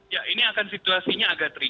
ya ini akan situasinya agak teriak